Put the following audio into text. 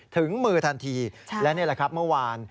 ถึงมือทันทีและนี่แหละครับเมื่อวาน